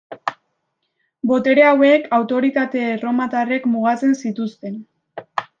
Botere hauek, autoritate erromatarrek mugatzen zituzten.